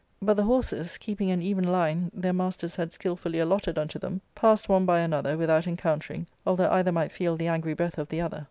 But their horses, keeping an even line their masters had skilfully allotted unto them, passed one by another without encoun* tering, although either might feel the angry breath of the other.